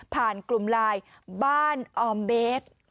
ผ่านกลุ่มลายบ้านออมเบศ